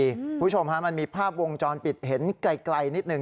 คุณผู้ชมฮะมันมีภาพวงจรปิดเห็นไกลนิดหนึ่ง